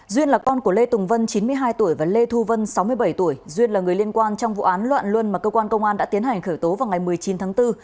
duyên là con của lê tùng vân chín mươi hai tuổi và lê thu vân sáu mươi bảy tuổi duyên là người liên quan trong vụ án loạn luân mà cơ quan công an đã tiến hành khởi tố vào ngày một mươi chín tháng bốn